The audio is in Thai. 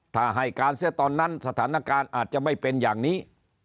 ถ้าให้การเสียตอนนั้นสถานการณ์อาจจะไม่เป็นอย่างนี้